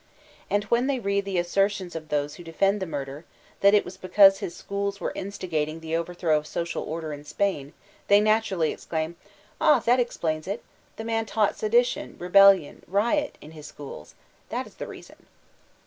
And when they read the assertions of those who defend the murder* that it was because his schook were instigating the overthrow of social order in Spain, they naturally exclaim: '"Ah, that explains it I The man taught sedition, rebellion, riot» in his schook! That b the reason."